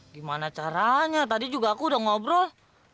gimana caranya tadi juga aku udah ngobrol